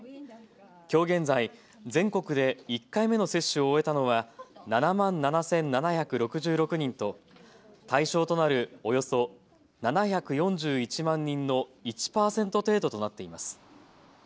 きょう現在、全国で１回目の接種を終えたのは７万７７６６人と対象となる、およそ７４１万人の１％程度となっています。